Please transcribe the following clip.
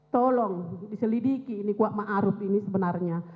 tolong diselidiki ini kuat maruf ini sebenarnya